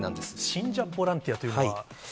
信者ボランティアというのは？